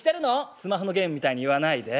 「スマホのゲームみたいに言わないで。